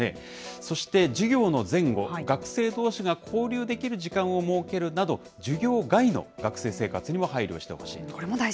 そして授業の前後、学生どうしが交流できる時間を設けるなど、授業外の学生生活にも配慮してほしいと。